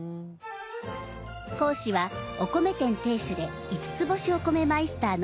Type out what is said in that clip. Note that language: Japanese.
講師はお米店店主で五ツ星お米マイスターの西島豊造さん。